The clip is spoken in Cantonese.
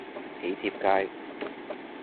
囍帖街